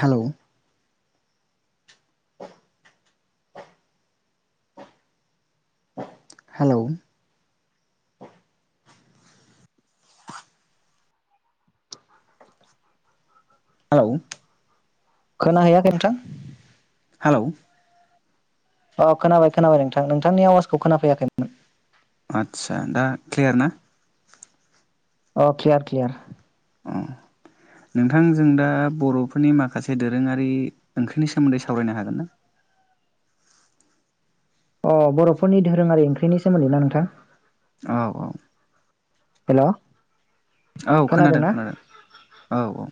Hello. Hello [unintelligible] औ खोना हैैयाखै नोंथां? औ अ खोनाबाय खोनाबाय नोंथां नोंथांनि आवाजखौ खोनाफैयाखैमोन। आदसा दा क्लियार ना? औ क्लियार क्लियार। अ नोंथां जों दा बर'फोरनि माखासे दोरोङारि ओंख्रिनि सोमोन्दै सावरायनो हागोन ना? अ बर'फोरनि धोरोङारि ओंख्रिनि सोमोन्दै ना नोंथां? औ औ हेलौ औ खोनादों खोनादों औ औ।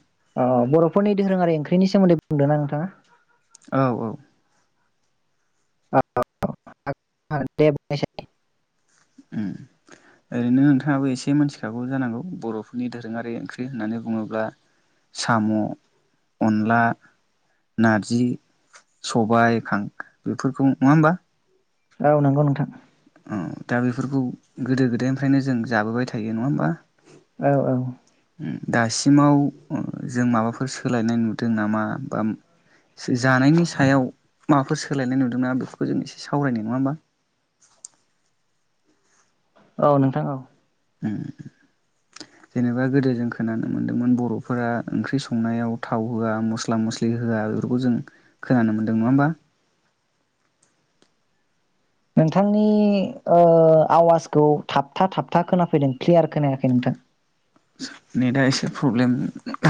फोरनि धोरोङारि ओंख्रिनि सोमोन्दै बुंदों ना नोंथाङा? औ औ [unintelligible] उम्म ओरैनो नोंथाङाबो एसे मिथिखागौ जानांगौ बर'फोरनि दोरोङारि ओंख्रि होननानै बुङोब्ला साम', अनला, नारजि, सबाय, खां बेफोरखौ नङा होमबा? औ नंगौ नोंथां। औ दा बेफोरखौ गोदो गोदायनिफ्रायनो जों जाबोबाय थायो नङा होमबा? औ औ दासिमाव ओ जों माबाफोर सोलायनाय नुदों नामा बा जानायनि सायाव माबाफोर सोलायनाय नुदों ना बेफोरखौ जों एसे सावरायनाय नङा होमबा। औ नोंथां औ। उम्म जेनेबा गोदो जों खोनानो मोन्दोंमोन बर'फोरा ओंख्रि संनायाव थाव होआ मस्ला मस्लि होआ बेफोरखौ जों खोनानो मोनदों नङा होमबा? नोंथांनि ओ आवाजखौ थाबथा थाबथा खोनाफैदों क्लियार खोनायाखै नोंथां। नेटआ एसे प्रब्लेम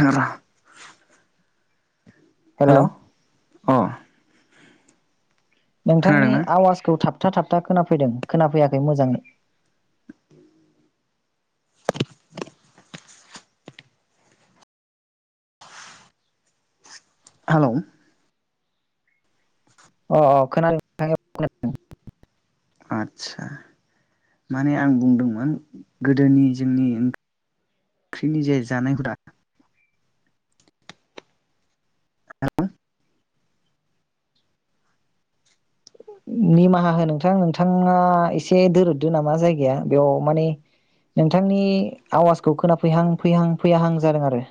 ओ हेल' हेलौ अ नोंथांनि खोनादोंना आवाजखौ थाब था थाबथा खोनाफैदों खोनाफैयाखै मोजाङै। हेलौ अ अ खोनादों नों थां अ खोनादों। आदसा माने आं बुंदोंमोन गोदोनि जोंनि ओंख्रिनि जे जानाय हुदा [unintelligible] निमाहा हो नोंथां नोंथाङा एसे दोरोददो नामा जायगाया बेयाव माने नोंथांनि आवाजखौ खोना फैहां फैहां फैयाहां जादों आरो।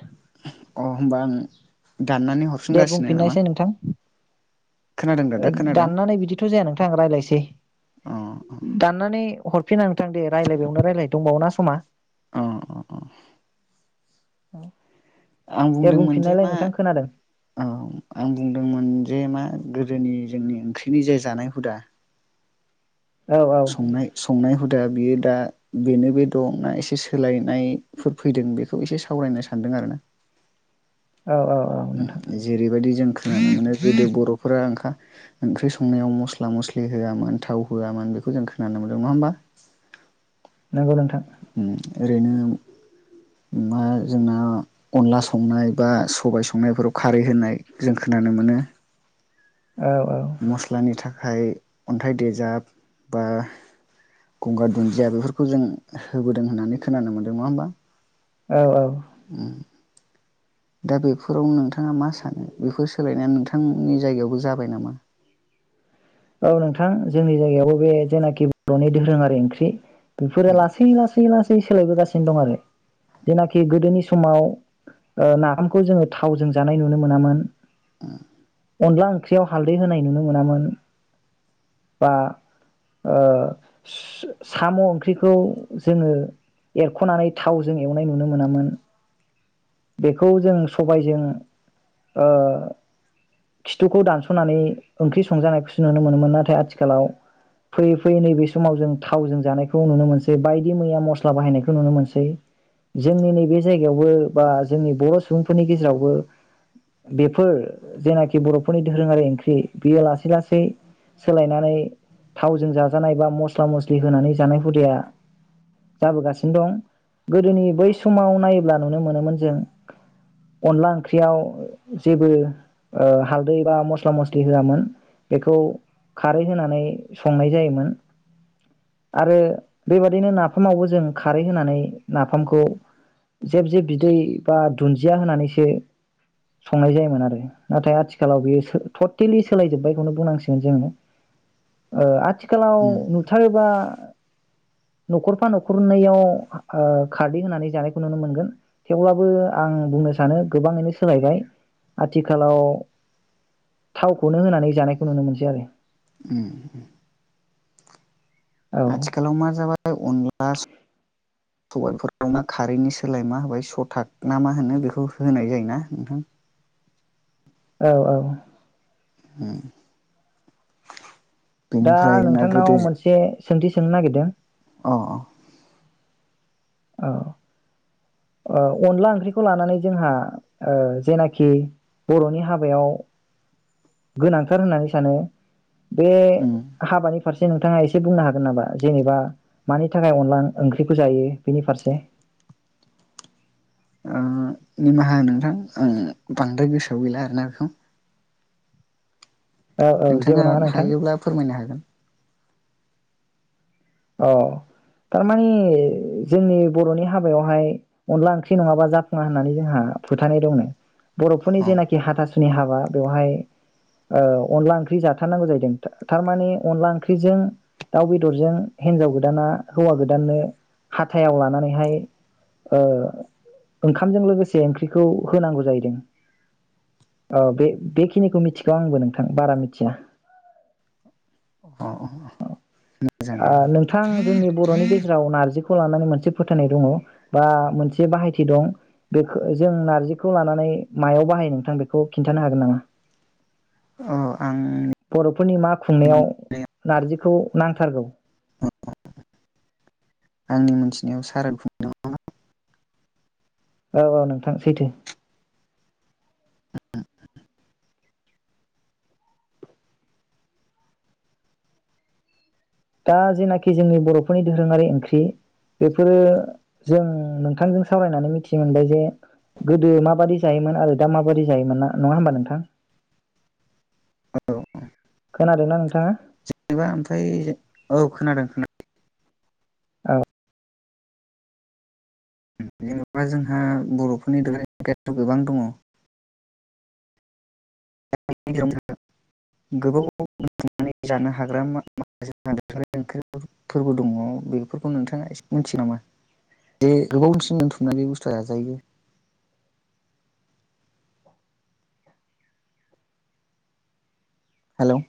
अ होमबा आं दाननानै दे हरफिनगासिनो नामा बुंफिननायसै नोंथां। खोनादों दा दा खोनादों दाननानै बिदिथ' जाया नोंथां रायज्लायसै अ दाननानै हरफिना नोंथां दे रायज्लायबावनो राय्लाय दंबावोना खोमा अ अ अ औ आं दे बुंदोंमोन जे बुंफिननायलाय मा नोंथां खोनादों। औ आं बुंदोंमोन जे मा गोदोनि जोंनि ओंख्रिनि जे जानाय हुदा औ संनाय संनाय हुदाया बियो दा बेनो बे दं ना एसे सोलायनायफोर फैदों बेखौ एसे सावरायनो सानदों आरोना औ औ ओम नोंथां जेरैबायदि जों खोनानो मोनो गोदो बर'फोरा ओंखा ओंख्रि संनायाव मस्ला मस्लि होआमोन थाव होआमोन बेखौ जों खोनानो मोनदों नङा होमबा नंगौ नोंथां उम ओरैनो मा जोंना अनला संनाय बा सबाय संनायफोराव खारै होनाय जों खोनानो मोनो। औ मस्लानि था खाय अन्थाइ देजाब बा गंगार दुन्दिया बेफोरखौ जों होबोदों होननानै खोनानो मोन्दों नङा होमबा। औ औ दा बेफोराव नोंथाङा मा सानो बेफोर सोलायनाया नोंथांमोननि जायगायावबो जाबाय नामा? औ नोंथां जोंनि जायगायावबो बे जेनाखि बर'नि दोरोङारि ओंख्रि बेफोरो उम लासै लासै लासै सोलायबोगासि सिन दं आरो जेनाखि गोदोनि समाव ओ नाफामखौ जोङो थावजों जानाय नुनो मोनामोन। ओम अनला ओंख्रियाव हालदै होनाय नुनो मोनामोन बा ओ साम' ओंख्रिखौ जोङो एरख'नानै थावजों एवनाय नुनो मोनामोन बेखौ जों सबायजों ओ खिथुखौ दानस'नानै ओंख्रि संजानाय खौस नुनो मोनोमोन नाथाय आथिखालाव फैयै फैयै नैबे समाव जों थावजों जानायखौ नुनो मोनसै बायदि मैया मस्ला बाहायनायखौ नुनो मोनसै जोंनि नैबे जायगायावबो बा जोंनि बर' सुबुंफोरनि गेजेरावबो बेफोर जेनाखि बर'फोरनि दोरोङारि ओंख्रि बेयो लासै ला सै सोलायनानै थावजों जाजानाय बा मस्ला मस्लि होनानै जानाय हुदाया जाबोगासिनो दं गोदोनि बै समाव नायोब्ला नुनो मोनोमोन जों अनला ओंख्रियाव जेबो ओ हालदै बा मस्ला मस्लि होआमोन बेखौ खारै होनानै संनाय जायोमोन आरो बेबादिनो नाफामावबो जों खारै होनानै नाफामखौ जेब जेब बिदै बा दुन्दिया होनानैसो संनाय जायोमोन आरो नाथाय आथिखालाव बेयो सो टटेलि सोलायजोब्बाय खौनो बुंनांसिगोन जोङो ओ आथि खालाव उम नुथारोबा न'खरफा न'खरनैयाव ओ खारदै होनानै जानायखौ नुनो मोनगोन थेवब्लाबो आं बुंनो सानो गोबाङैनो सोलायबाय आथिखालाव थावखौनो होनानै जानाय खौ नुनो मोनसै आरो ओम होम आथिखालाव मा जाबाय अनला सबायफोराव मा खारैनि सोलाय मा होबाय सथाक ना मा होनो बेखौ होनाय जायोना नोंथां औ औ ओम दा आं नोंथांनाव मोनसे सोंथि सोंनो नागिरदों औ औ ओ अनला ओंख्रिखौ लानानै जोंहा ओ जेनाखि बर'नि हाबायाव गोनांथार होननानै सानो बे उम हाबानि फारस से नोंथाङा एसे बुंनो हागोन नामा जेनेबा मानि थाखाय अनला ओंख्रिखौ जायो। बेनि फारसे ओ निमाहा हो नोंथां आं बांद्राय गोसोआव गैला आरोना बेखौ औ औ जेबो नोंथाङा नङा नोंथां हायोब्ला फोरमायनो हागोन। औ थारमानि जोंनि बर'नि हाबायावहाय अनला ओंख्रि नङाबा जाफुङा होननानै जोंहा फोथानाय दंनो। बर'फोरनि औ जेनाखि हाथास सुनि हाबा बेवहाय ओ अनला ओंख्रि जाथारनांगौ जाहै थारमाने अनला ओंख्रिजों दाउ बेदरजों हिनजाव गोदाना हौवा गोदाननो हाथायाव लानानैहाय ओ ओंखामजों लोगोसे ओंख्रिखौ होनांगौ जाहैदों औ बे-बेखिनिखौ मिथिगौ आंबो नोंथां बारा मिथिया। अ मोजां ओ मोजां नोंथां जोंनिब बर'नि गेजेराव नार्जिखौ लानानै मोनसे फोथायनाय दङ बा मोनसे बाहायथि दं बेखौ जों नार्जिखौ लानानै मायाव बाहायो नोंथां बेखौ खिन्थानो हागोन नामा? अ बर'फोरनि मा खुंनायाव नारजिखौ नांथारगौ? आंनि मोनथिनायाव सारादु खुंनायाव औ औ नोंथां सैथो। दा जेनाखि जोंनि बर'फोरनि दोरोङारि ओंख्रि बेफोरो जों नोंथांजों सावरायनानै मिथिनो मोनबाय जे गोदो माबादि जायोमोन आरो दा माबादि जायोमोन ना नङा होमबा नोंथां? खुंनायाव खोनादोंना नोंथाङा? जेनेबा ओमफ्राय औ खोनादों खोनादों औ जेनेबा जोंहा बर'फोरनि [unintelligible] गोबां दङ। [unintelligible] बेफोरखौ नोंथाङा इसे मिन्थियो नामा जे गोबावसिम दोनथुमना बुस्थु जाजायो? हेलौ